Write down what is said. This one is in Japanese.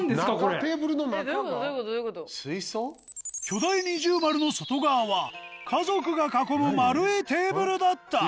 巨大二重丸の外側は家族が囲む丸いテーブルだった。